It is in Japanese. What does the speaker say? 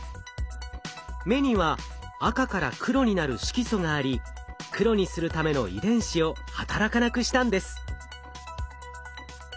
目には赤から黒になる色素があり黒にするための遺伝子を働かなくしたんです。